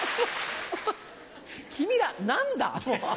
君ら何だ？